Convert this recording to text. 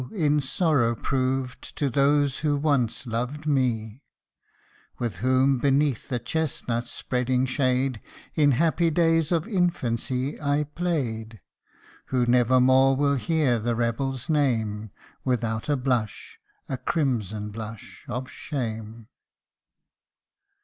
in sorrow proved, To those who once loved me, With whom beneath the chesnuf s spreading shade In happy days of infancy, I played ; Who never more will hear the rebel's name Without a blush, a crimson blush, of shame.